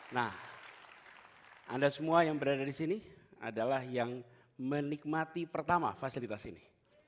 nah anda semua yang berada di sini adalah yang menikmati pertama fasilitas ini